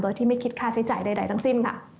โดยที่ไม่คิดค่าใช้จ่ายใดทั้งสิ้นค่ะ